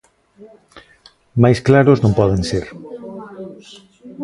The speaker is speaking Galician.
Máis claros non poden ser.